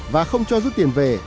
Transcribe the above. và không cho giúp tiền về